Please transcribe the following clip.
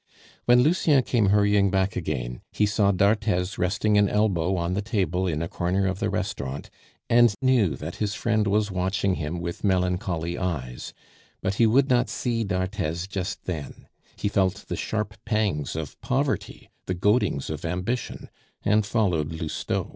When Lucien came hurrying back again, he saw d'Arthez resting an elbow on the table in a corner of the restaurant, and knew that his friend was watching him with melancholy eyes, but he would not see d'Arthez just then; he felt the sharp pangs of poverty, the goadings of ambition, and followed Lousteau.